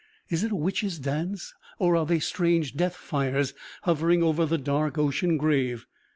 Is it a witch's dance, or are they strange death fires hovering over the dark ocean grave?